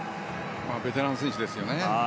ベテラン選手ですね。